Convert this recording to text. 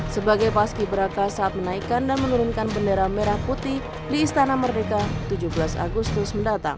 sebagai paski beraka saat menaikan dan menurunkan bendera merah putih di istana merdeka tujuh belas agustus mendatang